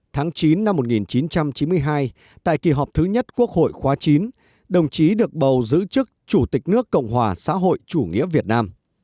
tháng chín năm một nghìn chín trăm chín mươi hai tại kỳ họp thứ nhất quốc hội khóa chín đồng chí được bầu giữ chức chủ tịch nước cộng hòa xã hội chủ nghĩa việt nam